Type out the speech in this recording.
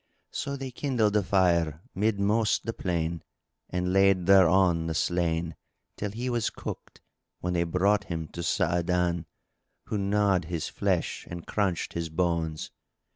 So they kindled a fire midmost the plain and laid thereon the slain, till he was cooked, when they brought him to Sa'adan, who gnawed his flesh and crunched his bones.